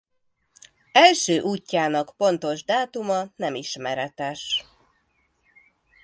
Első útjának pontos dátuma nem ismeretes.